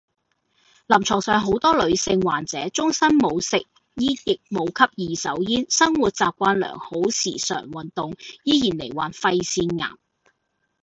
臨床上好多女性患者，終生冇食煙亦冇吸二手煙，生活習慣良好時常運動，依然罹患肺腺癌